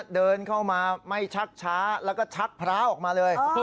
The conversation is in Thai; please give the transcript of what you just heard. เดินเข้ามาไม่ชักช้าแล้วก็ชักพระออกมาเลย